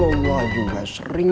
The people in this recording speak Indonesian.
apa si muda ini